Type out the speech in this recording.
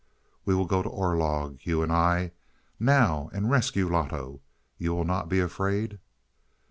"We will go to Orlog, you and I now, and rescue Loto. You will not be afraid?"